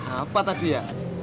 apa tadi ya